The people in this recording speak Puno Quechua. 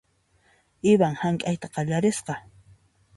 Ivan hank'ayta qallarisqa .